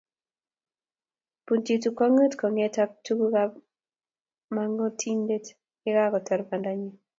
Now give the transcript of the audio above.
Bunchitu kwongut konget ak tugukab manongotiondenyi yekakotar bandanyi